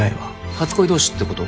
初恋同士ってこと？